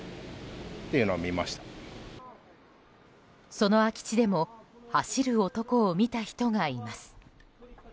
その空き地でも走る男を見た人がいます。